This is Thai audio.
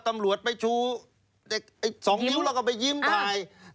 ตำรวจไปชูเสีย่งแล้วก็จิ๋มถ่าย